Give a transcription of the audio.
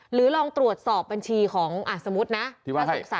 หรือลองตรวจสอบบัญชีของอ่าสมมตินะถ้าสุดใส